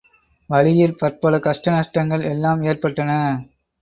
வழியில் பற்பல கஷ்டநஷ்டங்கள் எல்லாம் ஏற்பட்டன.